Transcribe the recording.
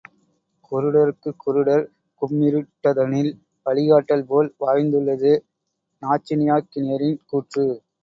குருடர்க்குக் குருடர் கும்மிருட் டதனில் வழிகாட்டல் போல் வாய்ந்துள்ளது நச்சினார்க்கினியரின் கூற்று.